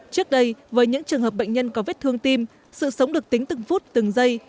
trước đây với những trường hợp bệnh nhân có vết thương tim sự sống được tính từng phút từng giây